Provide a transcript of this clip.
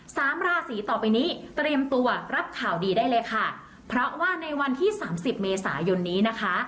สามราศีต่อไปนี้เตรียมตัวรับข่าวดีได้เลยค่ะเพราะว่าในวันที่สามสิบเมษายนนี้นะคะ